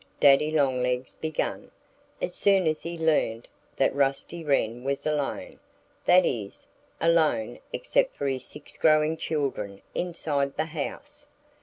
Daddy Longlegs began, as soon as he learned that Rusty Wren was alone that is, alone except for his six growing children inside the house.